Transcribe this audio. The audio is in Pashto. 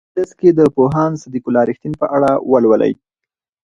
په دې درس کې د پوهاند صدیق الله رښتین په اړه ولولئ.